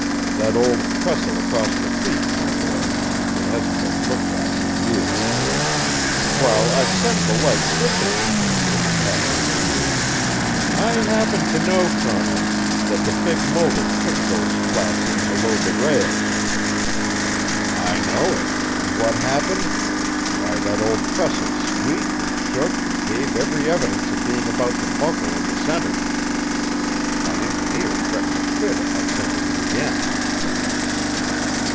That old trestle across the creek, my boy it hasn't been looked at for years. While I'd send the light switch engine over it and have no fears " "I happen to know, Colonel, that the big mogul kicked those flats in to load the rails!" "I know it. And what happened? Why, that old trestle squeaked and shook and gave every evidence of being about to buckle in the centre. My engineer threatened to quit if I sent him in again."